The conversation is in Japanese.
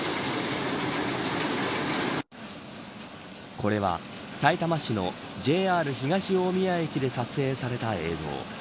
これは、さいたま市のＪＲ東大宮駅で撮影された映像。